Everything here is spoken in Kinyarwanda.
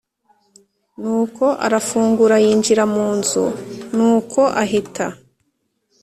nuko arafungura yinjira munzu nuko ahita